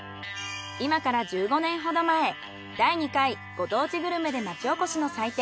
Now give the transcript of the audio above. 今から１５年ほど前第２回ご当地グルメで町おこしの祭典